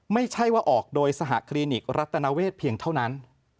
ไม่ใช่ว่าออกโดยสหคลินิกรัตนเวทเพียงเท่านั้น